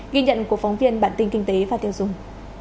ghi nhận của phóng viên bản tin kinh tế và tiêu dùng